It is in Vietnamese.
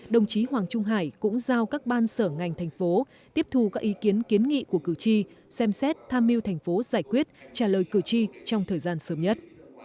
đồng chí hoàng trung hải cũng giao các ban sở ngành thành phố tiếp thu các ý kiến kiến nghị của cử tri xem xét tham mưu thành phố giải quyết trả lời cử tri trong thời gian sớm nhất